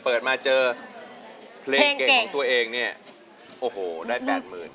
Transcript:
เพลงเก่งของตัวเองเนี่ยโอ้โหได้แปดหมื่น